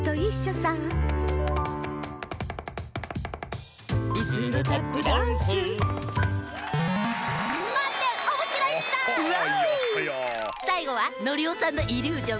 さいごはノリオさんのイリュージョン！